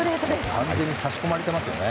完全に差し込まれてますよね。